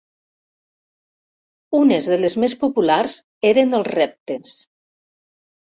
Unes de les més populars eren els reptes.